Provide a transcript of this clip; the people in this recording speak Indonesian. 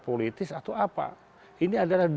politis atau apa ini adalah